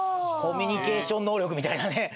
コミュニケーション能力みたいなね。